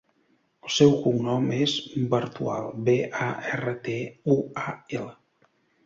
El seu cognom és Bartual: be, a, erra, te, u, a, ela.